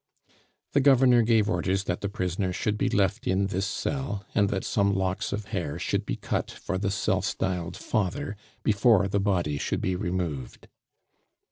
The governor gave orders that the prisoner should be left in this cell, and that some locks of hair should be cut for the self styled father before the body should be removed.